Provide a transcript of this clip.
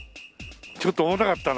ちょっと重たかったな。